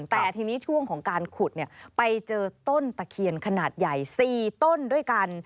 แต่ทีนี้ช่วงของการขุดไปเจอต้นตะเคียนขนาดใหญ่๔ต้นด้วยกัน